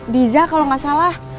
diza kalau gak salah